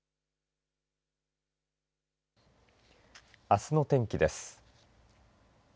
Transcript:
あすの天気です。